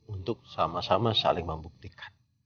untuk sama sama saling membuktikan